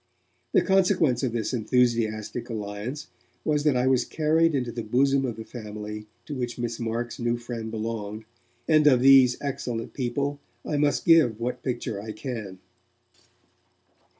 The consequence of this enthusiastic alliance was that I was carried into the bosom of the family to which Miss Marks' new friend belonged, and of these excellent people I must give what picture I can.